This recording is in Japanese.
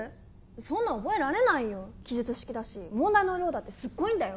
そんな覚えられないよ記述式だし問題の量だってすっごいんだよ